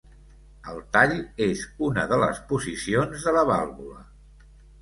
El tall és una de les posicions de la vàlvula.